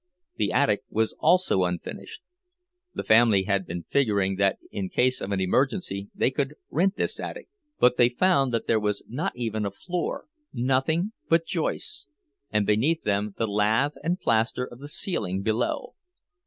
The attic was also unfinished—the family had been figuring that in case of an emergency they could rent this attic, but they found that there was not even a floor, nothing but joists, and beneath them the lath and plaster of the ceiling below.